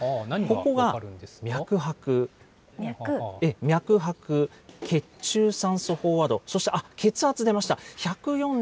ここが脈拍、脈拍、血中酸素飽和度、そして血圧出ました。